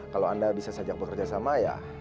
kalau anda bisa saja bekerja sama ya